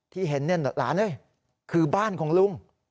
ที่เห็นหลานคือบ้านของลุง